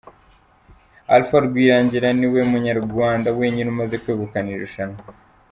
Alpha Rwirangira niwe munyarwanda wenyine umaze kwegukana iri rushanwa.